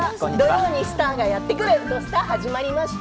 土曜にスターがやって来る「土スタ」始まりました。